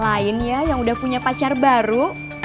lainnya yang udah punya pacar baru